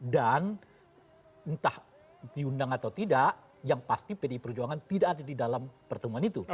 dan entah diundang atau tidak yang pasti pdi perjuangan tidak ada di dalam pertemuan itu